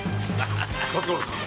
辰五郎さん